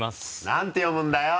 何て読むんだよ！